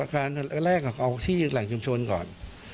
การแรกเอาที่แหล่งชุมชนก่อน